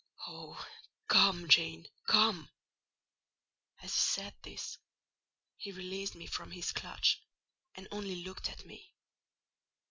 Oh! come, Jane, come!" As he said this, he released me from his clutch, and only looked at me.